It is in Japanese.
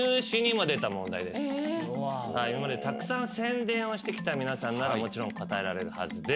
今までたくさんセンデンをしてきた皆さんならもちろん答えられるはずです。